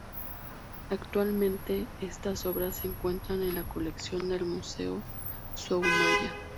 Actualmente estas obras se encuentran en la colección del Museo Soumaya.